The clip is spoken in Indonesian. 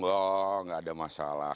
gak gak ada masalah